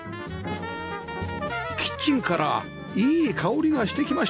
キッチンからいい香りがしてきました